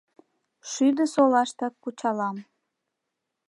Шӱдысолаштак кучалам.